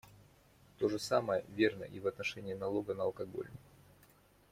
То же самое верно и в отношении налога на алкоголь.